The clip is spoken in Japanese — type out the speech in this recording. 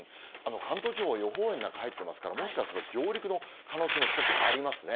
関東地方、予報円の中に入ってますから、もしかすると、上陸の可能性も少しありますね。